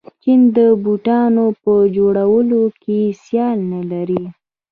چین د بوټانو په جوړولو کې سیال نلري.